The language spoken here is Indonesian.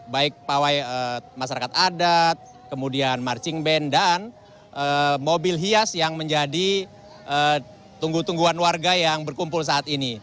baik pawai masyarakat adat kemudian marching band dan mobil hias yang menjadi tunggu tungguan warga yang berkumpul saat ini